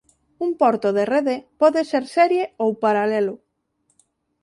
Un porto de rede pode ser serie ou paralelo.